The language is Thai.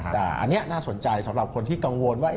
แต่อันนี้น่าสนใจสำหรับคนที่กังวลว่า